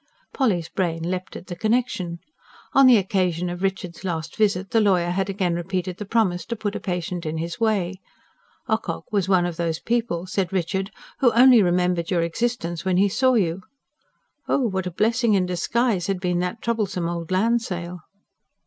Polly's brain leapt at the connection; on the occasion of Richard's last visit the lawyer had again repeated the promise to put a patient in his way. Ocock was one of those people, said Richard, who only remembered your existence when he saw you. Oh, what a blessing in disguise had been that troublesome old land sale!